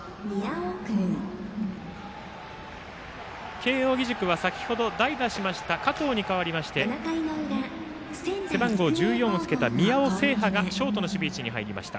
慶応義塾は先程代打しました加藤に代わりまして背番号１４をつけた宮尾青波がショートの守備位置に入りました。